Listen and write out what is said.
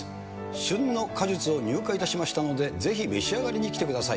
旬の果実を入荷いたしましたので、ぜひ召し上がりに来てください。